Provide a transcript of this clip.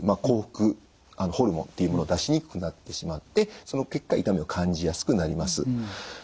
幸福ホルモンっていうものを出しにくくなってしまってその結果痛みを感じやすくなります。